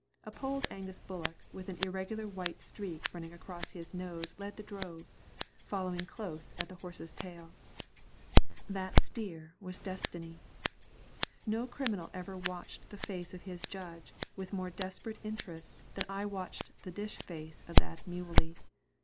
A Polled Angus bullock with an irregular white streak running across his nose led the drove, following close at the horse's tail. That steer was Destiny. No criminal ever watched the face of his judge with more desperate interest than I watched the dish face of that muley.